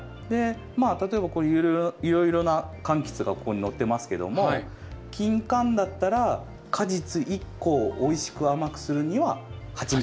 例えばいろいろな柑橘がここに載ってますけどもキンカンだったら果実１個をおいしく甘くするには８枚。